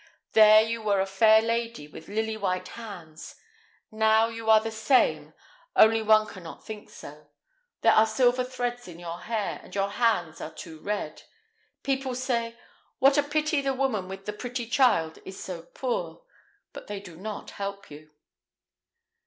There you were a fair lady with lily white hands; now, you are the same, only one can not think so. There are silver threads in your hair, and your hands are too red. People say: 'What a pity the woman with the pretty child is so poor!' but they do not help you."